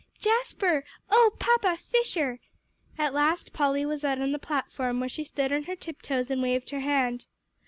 "Jasper oh, Papa Fisher!" At last Polly was out on the platform where she stood on her tiptoes and waved her hand.